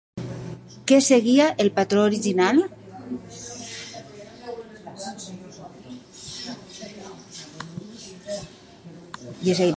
Què seguia el patró original?